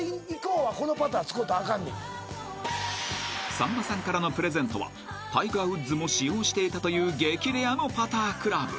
［さんまさんからのプレゼントはタイガー・ウッズも使用していたという激レアのパタークラブ］